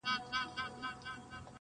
په ډوډۍ به یې د غم عسکر ماړه وه-